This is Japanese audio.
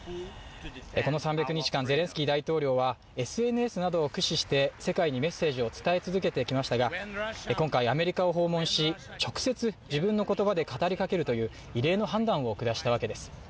この３００日間、ゼレンスキー大統領はＳＮＳなどを駆使して世界にメッセージを伝え続けてきましたが、今回、アメリカを訪問し、直接自分の言葉で語りかけるという異例の判断を下したわけです。